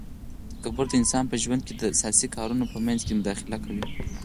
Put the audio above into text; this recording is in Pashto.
تکبر د انسان په ژوند کي د اساسي کارونو په منځ کي مداخله کوي